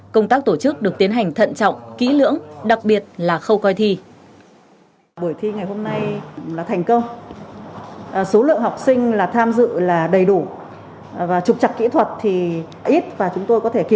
công tác tổ chức được tiến hành thận trọng kỹ lưỡng đặc biệt là khâu coi thi